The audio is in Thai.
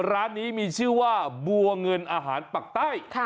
ร้านนี้มีชื่อว่าบัวเงินอาหารปักใต้